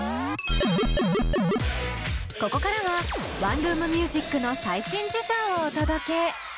ここからはワンルーム☆ミュージックの最新事情をお届け！